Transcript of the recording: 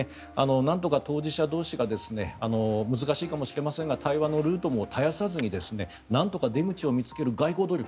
なんとか当事者同士が難しいかもしれませんが対話のルートも絶やさずになんとか出口を見つける外交努力